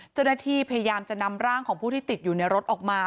เจ้าหน้าที่พยายามจะนำร่างของผู้ที่ติดอยู่ในรถออกมา